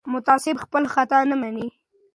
متعصب خپل خطا نه مني